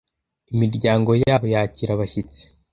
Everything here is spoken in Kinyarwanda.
imiryango yabo yakira abashyitsi